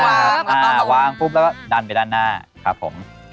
ไล่ไปด้านหน้าครับอ่าวางปุ๊บแล้วก็ดันไปด้านหน้าครับผม